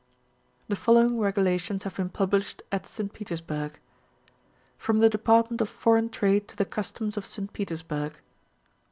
The following Regidatums have been published at St Petersburg, FROM THE DEPARTMENT OF FOREIGN TRADE TO THE CUSTOMS OF ST. PETERSBURG.